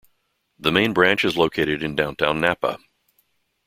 The main branch is located in downtown Napa.